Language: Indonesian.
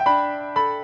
sampai jumpa lagi